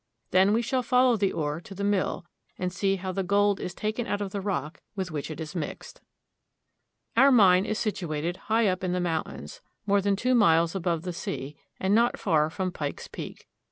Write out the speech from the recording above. Then we shall follow the ore to the mill, and see how the gold is taken out of the rock with which it is mixed. 242 THE ROCKY MOUNTAIN REGION. Our mine is situated high up in the mountains, more than two miles above the sea, and not far from Pikes Peak.